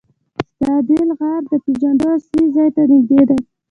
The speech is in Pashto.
ستادل غار د پيژو اصلي ځای ته نږدې دی.